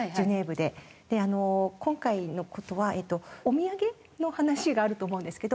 で今回の事はお土産の話があると思うんですけど。